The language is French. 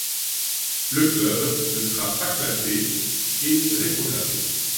Le club ne sera pas classé et rétrogradé.